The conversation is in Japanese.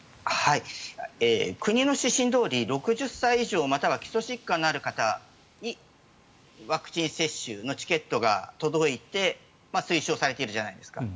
国の指針どおり６０歳以上または基礎疾患のある人にワクチン接種のチケットが届いて推奨されているじゃないですか。